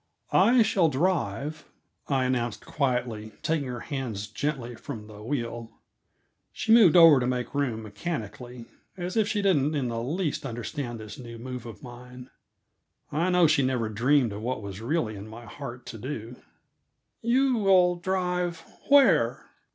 "I shall drive," I announced quietly, taking her hands gently from the wheel. She moved over to make room mechanically, as if she didn't in the least understand this new move of mine. I know she never dreamed of what was really in my heart to do. "You will drive where?"